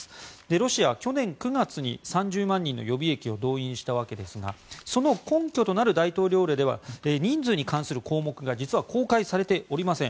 ロシアは去年９月に３０万人の予備役を導入したわけですがその根拠となる大統領令では人数に関する項目が実は公開されておりません。